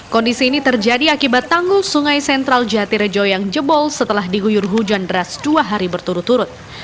kondisi ini terjadi akibat tanggul sungai sentral jatirejo yang jebol setelah diguyur hujan deras dua hari berturut turut